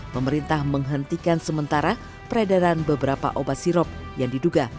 pemerintah menghentikan sementara peredaran beberapa obat sirop yang diduga